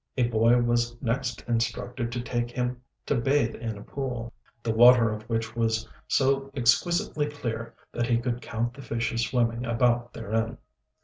A boy was next instructed to take him to bathe in a pool, the water of which was so exquisitely clear that he could count the fishes swimming about therein.